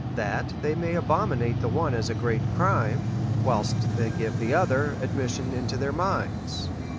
That they may abominate the one as a great crime, whilst they give the other admission into their minds.